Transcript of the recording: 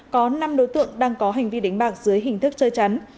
có năm đối tượng đang có hành vi đánh bạc dưới hình thức chơi chắn